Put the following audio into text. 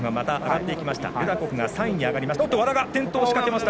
ルダコフが３位に上がりました。